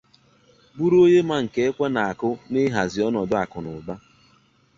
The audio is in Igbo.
bụrụ onye ma nke ekwe na-akụ n'ịhazi ọnọdụ akụnụba